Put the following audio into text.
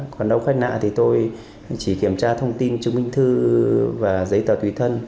còn đâu khách nạ thì tôi chỉ kiểm tra thông tin chứng minh thư và giấy tờ tùy thân